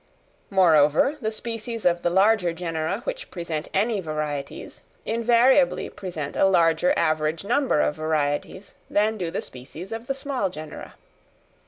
Moreover, the species of the large genera which present any varieties, invariably present a larger average number of varieties than do the species of the small genera.